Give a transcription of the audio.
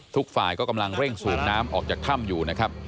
ทุกฝ่ายก็กำลังเร่งสูบน้ำออกจากถ้ำอยู่นะครับ